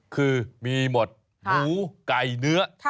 คือมีหมดหมูไก่เนื้อ